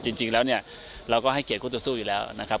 จริงแล้วเนี่ยเราก็ให้เกียรติคู่ต่อสู้อยู่แล้วนะครับ